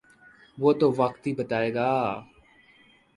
وہ تو وقت ہی بتائے گا۔